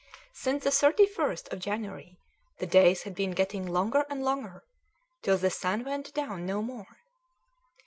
Since the 31st of January the days had been getting longer and longer till the sun went down no more.